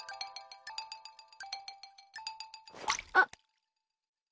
あっ！